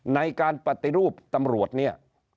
ในการปฏิรูปตำรวจเนี่ย